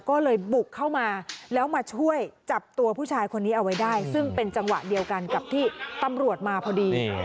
ก็เลยบุกเข้ามาแล้วมาช่วยจับตัวผู้ชายคนนี้เอาไว้ได้ซึ่งเป็นจังหวะเดียวกันกับที่ตำรวจมาพอดี